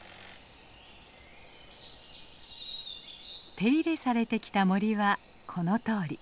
手入れされてきた森はこのとおり。